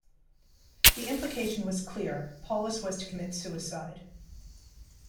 The implication was clear: Paulus was to commit suicide.